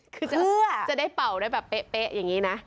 คือจะได้เป่าได้แบบเป๊ะอย่างนี้นะ